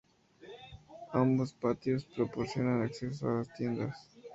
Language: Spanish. Ambos patios proporcionan acceso a las tiendas.